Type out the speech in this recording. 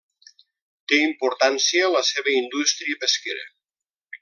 Té importància la seva indústria pesquera.